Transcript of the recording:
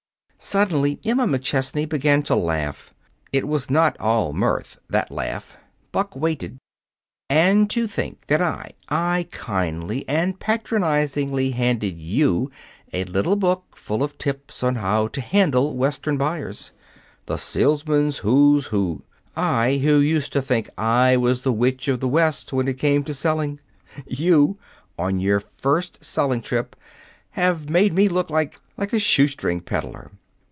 Suddenly Emma McChesney began to laugh. It was not all mirth that laugh. Buck waited. "And to think that I I kindly and patronizingly handed you a little book full of tips on how to handle Western buyers, 'The Salesman's Who's Who' I, who used to think I was the witch of the West when it came to selling! You, on your first selling trip, have made me look like like a shoe string peddler."